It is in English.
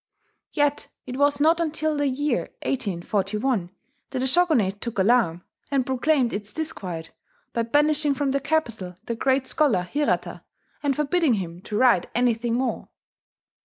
Yet it was not until the year 1841 that the Shogunate took alarm, and proclaimed its disquiet by banishing from the capital the great scholar Hirata, and forbidding him to write anything more.